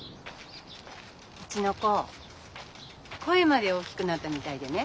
うちの子声まで大きくなったみたいでね。